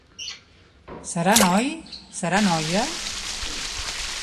Serà noi, serà noia?